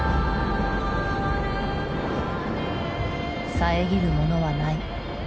遮るものはない。